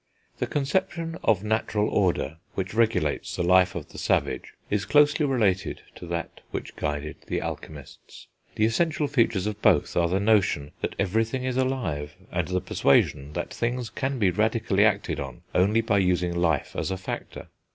The conception of natural order which regulates the life of the savage is closely related to that which guided the alchemists. The essential features of both are the notion that everything is alive, and the persuasion that things can be radically acted on only by using life as a factor.